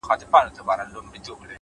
لم د انسان ارزښت زیاتوي,